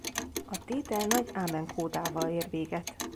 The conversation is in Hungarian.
A tétel nagy Amen-kódával ér véget.